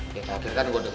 yang terakhir kan gue denger